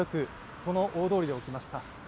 この大通りで起きました。